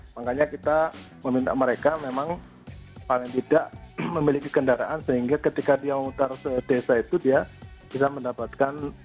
makanya kita meminta mereka memang paling tidak memiliki kendaraan sehingga ketika dia memutar ke desa itu dia bisa mendapatkan